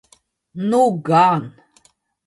Nu gan!